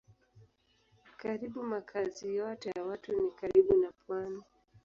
Karibu makazi yote ya watu ni karibu na pwani.